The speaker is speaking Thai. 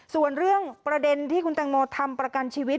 ส่วนเรื่องประเด็นที่คุณแตงโมทำประกันชีวิต